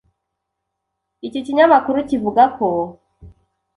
Iki kinyamakuru kivuga ko